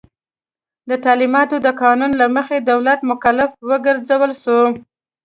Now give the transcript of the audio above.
د تعلیماتو د قانون له مخي دولت مکلف وګرځول سو.